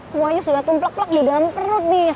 semuanya sudah tumpelok tumpelok di dalam perut nih